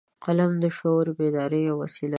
فلم د شعور بیدارۍ یو وسیله ده